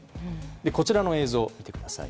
こちらの映像を見てください。